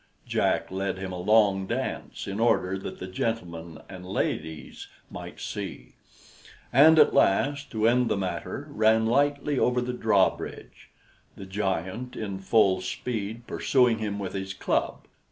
Jack led him a long dance, in order that the gentlemen and ladies might see; and at last to end the matter, ran lightly over the drawbridge, the giant, in full speed, pursuing him with his club.